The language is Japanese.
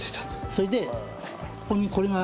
それでここにこれが。